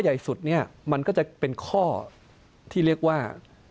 ใหญ่สุดเนี่ยมันก็จะเป็นข้อที่เรียกว่า